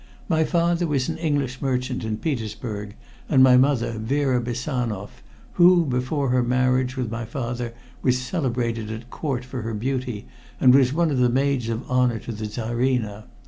My father was an English merchant in Petersburg, and my mother, Vera Bessanoff, who, before her marriage with my father, was celebrated at Court for her beauty, and was one of the maids of honor to the Czarina.